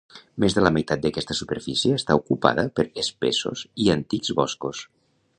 Més de la meitat d'aquesta superfície està ocupada per espessos i antics boscos.